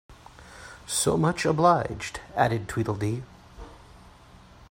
‘So much obliged!’ added Tweedledee.